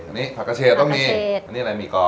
อันนี้ผักกระเชษต้องมีอันนี้อะไรมีกอ